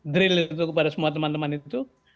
drill itu kepada semua teman teman itu